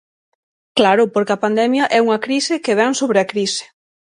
Claro, porque a pandemia é unha crise que vén sobre a crise.